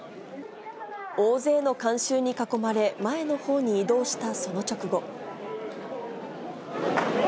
大勢の観衆に囲まれ、前のほうに移動したその直後。